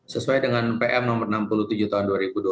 sesuai dengan pm nomor enam puluh tujuh tahun dua ribu dua puluh